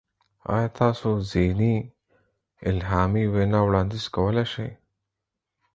ایا تاسو ځینې الهامي وینا وړاندیز کولی شئ؟